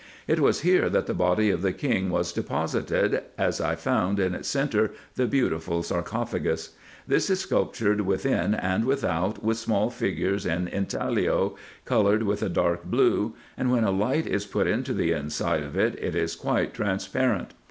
It was here that the body of the king was depo sited, as I found in its centre the beautiful sarcophagus. This is sculptured within and without with small figures in intaglio, coloured with a dark blue, and, when a light is put into the inside of it, it is quite transparent.